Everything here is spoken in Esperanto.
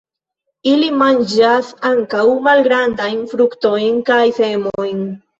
Ili manĝas ankaŭ malgrandajn fruktojn kaj semojn.